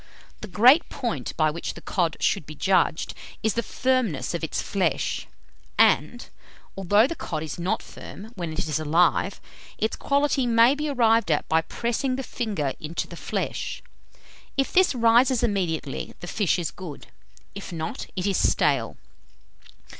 The great point by which the cod should be judged is the firmness of its flesh; and, although the cod is not firm when it is alive, its quality may be arrived at by pressing the finger into the flesh. If this rises immediately, the fish is good; if not, it is stale.